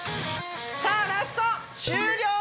さあラスト終了